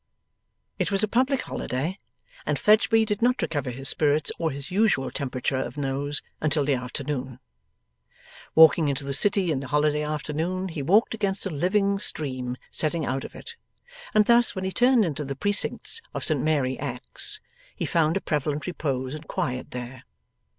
It was a public holiday, and Fledgeby did not recover his spirits or his usual temperature of nose until the afternoon. Walking into the City in the holiday afternoon, he walked against a living stream setting out of it; and thus, when he turned into the precincts of St Mary Axe, he found a prevalent repose and quiet there.